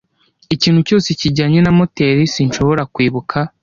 ikintu cyose kijyanye na moteri. sinshobora kwibuka